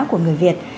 của người việt